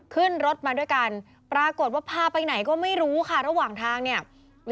ขึ้นรถมาด้วยกันปรากฏว่าพาไปไหนก็ไม่รู้ค่ะระหว่างทางเนี่ย